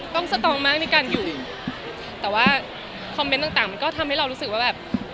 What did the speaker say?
สตองมากในการอยู่แต่ว่าคอมเมนต์ต่างต่างมันก็ทำให้เรารู้สึกว่าแบบ